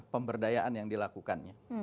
pemberdayaan yang dilakukannya